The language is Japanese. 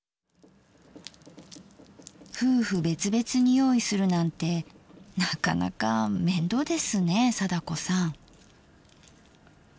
夫婦別々に用意するなんてなかなか面倒ですね貞子さん。